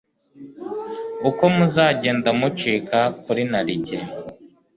Uko muzagenda mucika ku narijye,